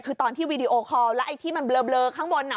คือตอนที่วีดีโอคอลแล้วไอ้ที่มันเบลอข้างบน